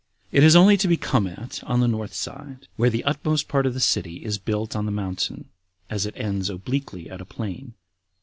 It is only to be come at on the north side, where the utmost part of the city is built on the mountain, as it ends obliquely at a plain.